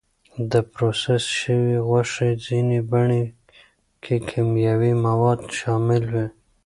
د پروسس شوې غوښې ځینې بڼې کې کیمیاوي مواد شامل وي.